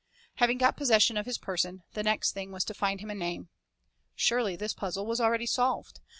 Having got possession of his person, the next thing was to find him a name. Surely this puzzle was already solved.